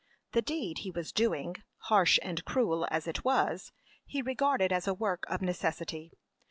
The deed he was doing, harsh and cruel as it was, he regarded as a work of necessity.